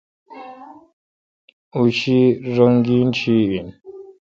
او شی رین گین شی این۔